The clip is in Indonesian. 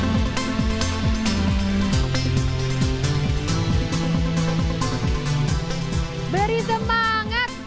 apakah anda sudah berhasil mengajar anak anak di sdn karat tengsin